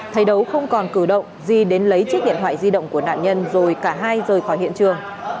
thấy đấu không còn cử động di đến lấy chiếc điện thoại di động của nạn nhân rồi cả hai rời khỏi hiện trường